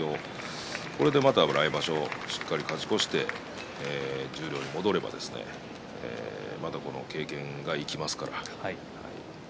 これで、また来場所しっかり勝ち越して十両に戻ればまたこの経験が生きますから。